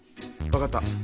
分かった。